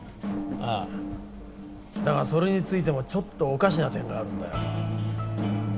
ああだがそれについてもちょっとおかしな点があるんだよ